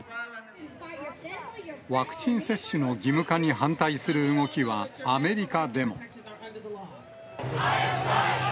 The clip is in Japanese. ワクチン接種の義務化に反対する動きはアメリカでも。